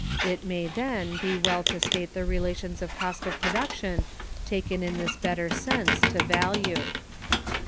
It may, then, be well to state the relations of cost of production, taken in this better sense, to value.